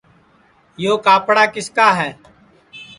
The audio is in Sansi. یو کاپڑا کِس کا ہے